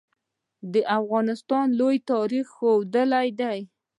د افغانستان ټول تاریخ ښودلې ده.